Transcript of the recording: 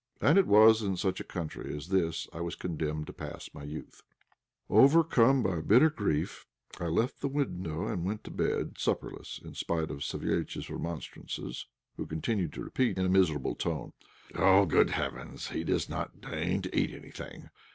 And it was in such a country as this I was condemned to pass my youth! Overcome by bitter grief, I left the window, and went to bed supperless, in spite of Savéliitch's remonstrances, who continued to repeat, in a miserable tone "Oh, good heavens! he does not deign to eat anything.